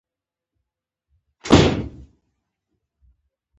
يوې مفکورې د هغه ذهن ته لار وکړه.